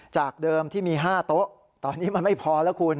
จากเดิมที่มี๕โต๊ะตอนนี้มันไม่พอแล้วคุณ